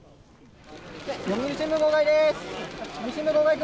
読売新聞、号外です。